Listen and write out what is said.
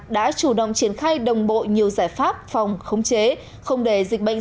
đã chủ động triển khai đồng bộ nhiều giải pháp phòng khống chế không để dịch bệnh